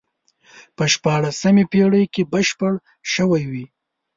په شپاړسمې پېړۍ کې بشپړ شوی وي.